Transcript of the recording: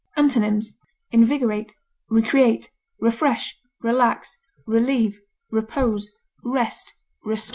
Antonyms: invigorate, refresh, relax, relieve, repose, rest, restore.